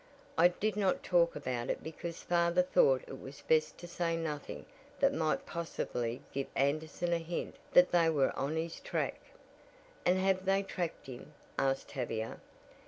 I did not talk about it because father thought it was best to say nothing that might possibly give Anderson a hint that they were on his track." "And have they tracked him?" asked Tavia.